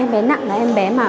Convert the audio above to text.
em bé nặng là em bé mà